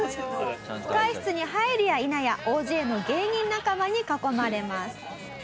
控室に入るやいなや大勢の芸人仲間に囲まれます。